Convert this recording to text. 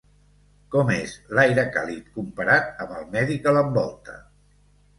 Com és l'aire càlid comparat amb el medi que l'envolta?